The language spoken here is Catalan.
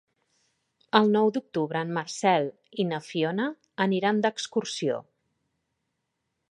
El nou d'octubre en Marcel i na Fiona aniran d'excursió.